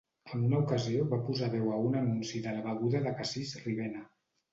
En una ocasió va posar veu a un anunci de la beguda de cassís Ribena.